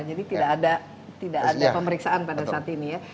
jadi tidak ada pemeriksaan pada saat ini ya